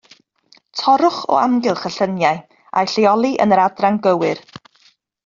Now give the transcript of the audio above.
Torrwch o amgylch y lluniau a'u lleoli yn yr adran gywir